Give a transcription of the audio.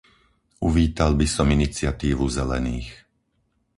Uvítal by som iniciatívu Zelených.